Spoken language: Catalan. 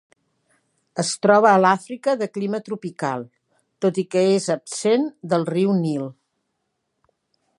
Es troba a l'Àfrica de clima tropical, tot i que és absent del riu Nil.